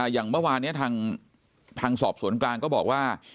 อย่างเมื่อวานนี้ทางสอบสวนกลางก็บอกว่า